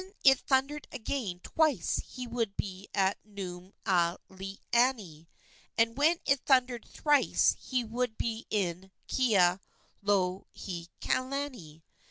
When it thundered again twice he would be at Nuumealani, and when it thundered thrice he would be in Kealohilani.